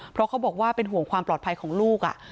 เพราะเขาบอกว่าเป็นห่วงความปลอดภัยของลูก